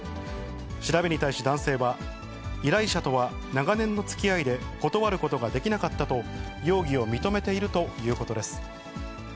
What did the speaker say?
調べに対し、男性は依頼者とは長年のつきあいで断ることができなかったと、容疑を認めているということです。